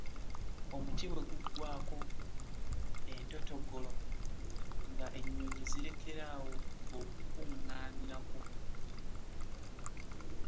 Omuti bwe gugwako entotogolo nga enyonyi zirekera awo okukunganirako .